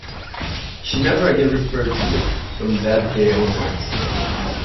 She never again referred to it, from that day onwards.